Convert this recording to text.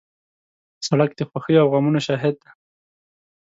سړک د خوښۍ او غمونو شاهد دی.